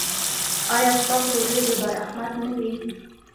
ایا ستاسو ورېځې به رحمت نه وي؟